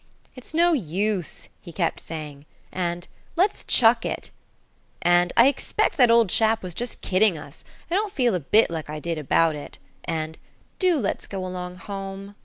"It's no use," he kept saying, and "Let's chuck it," and "I expect that old chap was just kidding us. I don't feel a bit like I did about it," and "Do let's get along home."